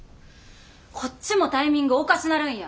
こっちもタイミングおかしなるんや。